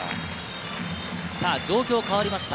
状況が変わりました。